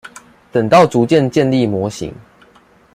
等到逐漸建立模型